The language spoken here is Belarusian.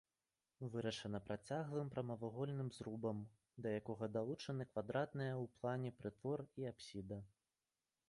Вырашана працяглым прамавугольным зрубам, да якога далучаны квадратныя ў плане прытвор і апсіда.